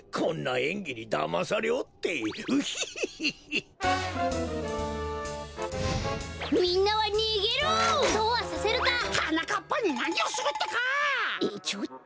えっちょっと。